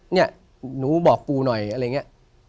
เนี่ยหนูบอกปูหน่อยอะไรอย่างนี้